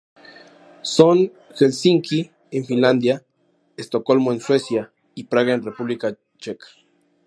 Son Helsinki en Finlandia, Estocolmo en Suecia y Praga en la República Checa.